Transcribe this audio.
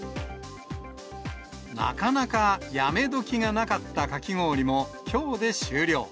なかなかやめどきがなかったかき氷もきょうで終了。